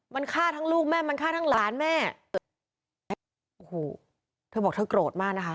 มันฆ่าทั้งลูกแม่มันฆ่าทั้งหลานแม่โอ้โหเธอบอกเธอโกรธมากนะคะ